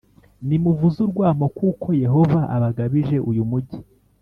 nimuvuze urwamo kuko Yehova abagabije uyu mugi